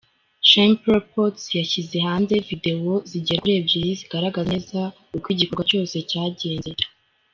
Chimpreports yashyize hanze Videwo zigera kuri ebyiri zigaragaza neza uko igikorwa cyose cyangenze.